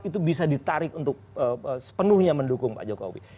itu bisa ditarik untuk sepenuhnya mendukung pak jokowi